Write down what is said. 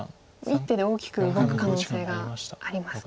一手で大きく動く可能性がありますか。